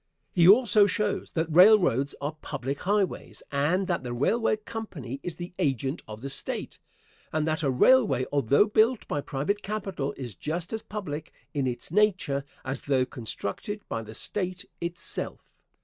He also shows that railroads are public highways, and that the railway company is the agent of the State, and that a railway, although built by private capital, is just as public in its nature as though constructed by the State itself.